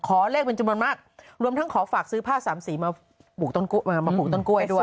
ขอเลขเป็นจำนวนมากรวมทั้งขอฝากซื้อผ้า๓สีมาปลูกต้นกล้วยด้วย